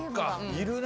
いるね。